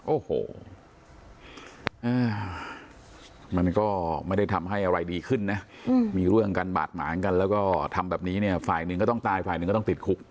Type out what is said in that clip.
โอ้โหมันก็ไม่ได้ทำให้อะไรดีขึ้นนะมีเรื่องกันบาดหมางกันแล้วก็ทำแบบนี้เนี่ยฝ่ายหนึ่งก็ต้องตายฝ่ายหนึ่งก็ต้องติดคุก